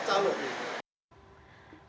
kita berantas calo